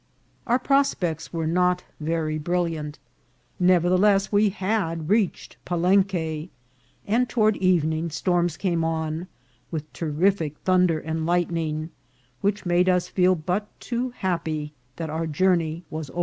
Our prospects were not very brilliant ; nevertheless, we had reached Palenque, and toward evening storms came on, with terrific thunder and lightning, which made us feel but too happy that our journey was over.